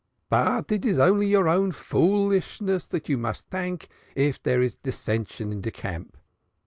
But it is only your own foolishness that you must tank if dere is dissension in de camp.